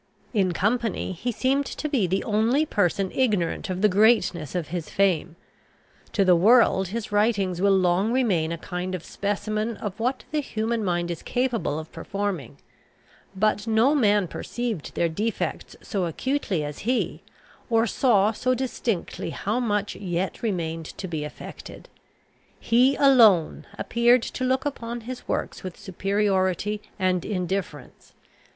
In company he seemed to be the only person ignorant of the greatness of his fame. To the world his writings will long remain a kind of specimen of what the human mind is capable of performing; but no man perceived their defects so acutely as he, or saw so distinctly how much yet remained to be effected: he alone appeared to look upon his works with superiority and indifference.